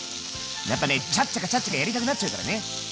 やっぱねチャッチャカチャッチャカやりたくなっちゃうからね。